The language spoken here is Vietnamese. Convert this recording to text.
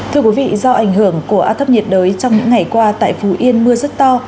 thưa quý vị do ảnh hưởng của áp thấp nhiệt đới trong những ngày qua tại phú yên mưa rất to